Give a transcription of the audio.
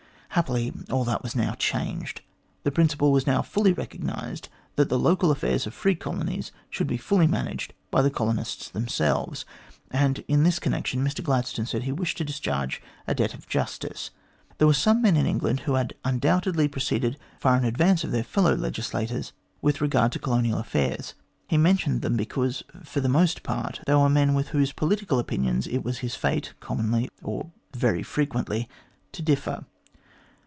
Happily, all that was now changed. The principle was now fully recognised that the local affairs of the free colonies should be fully managed by the colonists themselves. And, in this connection. Mr Gladstone said he wished to discharge a debt of justice. There were some men in England who had undoubtedly proceeded far in advance of their fellow legislators with regard to colonial affairs. He mentioned them, because, for the most part, they were men with whose political opinions it was his fate, commonly, or very frequently, to differ.